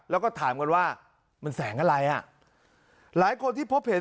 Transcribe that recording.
แล้วก็ถามกันว่ามันแสงอะไรอ่ะหลายคนที่พบเห็น